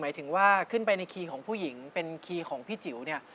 หมายถึงว่าขึ้นไปในคีย์ของผู้หญิงเป็นคีย์ของพี่จิ๋วเนี่ย